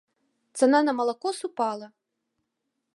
Цана на малако супала.